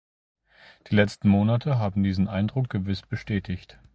Die letzten Monate haben diesen Eindruck gewiss bestätigt.